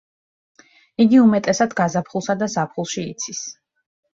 იგი უმეტესად გაზაფხულსა და ზაფხულში იცის.